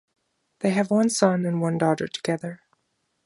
They have one son and one daughter together.